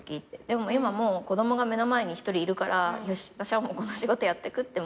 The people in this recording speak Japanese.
でも今もう子供が目の前に１人いるからよし私はもうこの仕事やってくって。